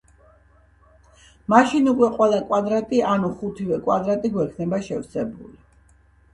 მაშინ უკვე ყველა კვადრატი, ანუ ხუთივე კვადრატი გვექნება შევსებული.